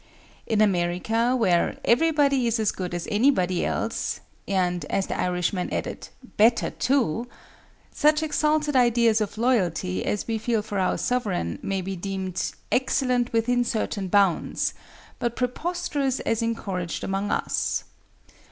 In America where "everybody is as good as anybody else," and, as the Irishman added, "better too," such exalted ideas of loyalty as we feel for our sovereign may be deemed "excellent within certain bounds," but preposterous as encouraged among us.